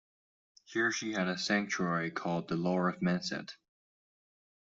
Here she had a sanctuary called the Lower Menset.